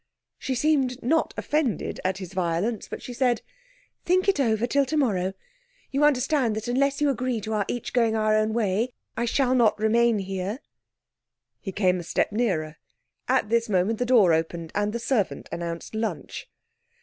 She seemed not offended at his violence, but she said 'Think it over till tomorrow. You understand that unless you agree to our each going our own way I shall not remain here.' He came a step nearer. At this moment the door opened and the servant announced lunch.